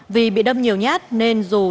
vì bị đâm nhiều nhát nên dù nếu không có đồng hành